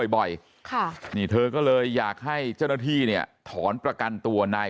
บ่อยค่ะนี่เธอก็เลยอยากให้เจ้าหน้าที่เนี่ยถอนประกันตัวนาย